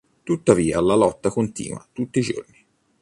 Tuttavia la lotta continua tutti i giorni.